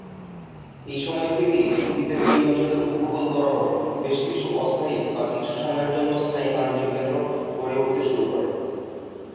এইসময় থেকেই উপদ্বীপের এই অঞ্চলের উপকূল বরাবর বেশ কিছু অস্থায়ী বা কিছু সময়ের জন্য স্থায়ী বাণিজ্যকেন্দ্র গড়ে উঠতে শুরু করে।